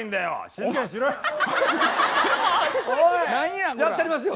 やったりますよ。